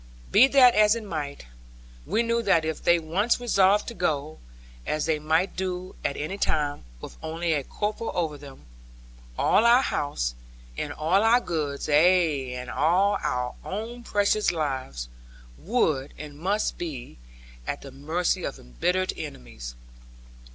Be that as it might, we knew that if they once resolved to go (as they might do at any time, with only a corporal over them) all our house, and all our goods, ay, and our own precious lives, would and must be at the mercy of embittered enemies.